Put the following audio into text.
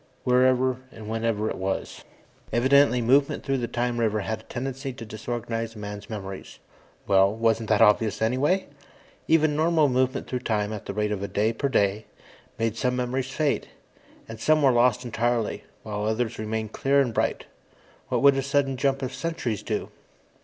Wherever and whenever it was. Evidently movement through the time river had a tendency to disorganize a man's memories. Well, wasn't that obvious anyway? Even normal movement through time, at the rate of a day per day, made some memories fade. And some were lost entirely, while others remained clear and bright. What would a sudden jump of centuries do?